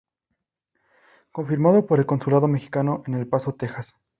Confirmado por el Consulado Mexicano en El Paso, Texas.